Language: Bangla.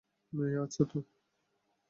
মেয়ে আছে তো?